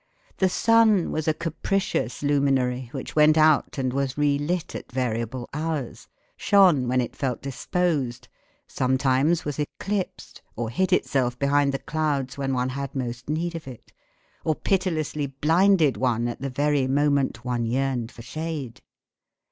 The sun was a capricious luminary which went out and was relit at variable hours, shone when it felt disposed, sometimes was eclipsed, or hid itself behind the clouds when one had most need of it, or pitilessly blinded one at the very moment one yearned for shade!